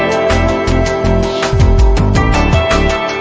กบกันไหมไม่